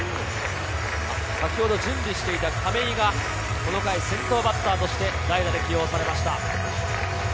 先ほど準備してた亀井がこの回先頭バッターとして代打で起用されました。